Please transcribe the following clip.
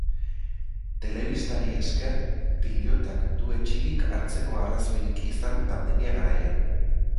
Telebistari esker, pilotak du etsirik hartzeko arrazoirik izan pandemia garaian.